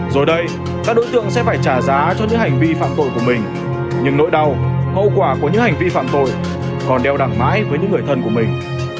rồi đây các đối tượng sẽ phải trả giá cho những hành vi phạm tội của mình nhưng nỗi đau hậu quả của những hành vi phạm tội còn đeo đẳng mãi với những người thân của mình